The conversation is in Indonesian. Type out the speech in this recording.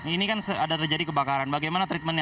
ini kan ada terjadi kebakaran bagaimana treatmentnya